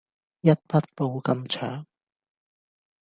一匹布咁長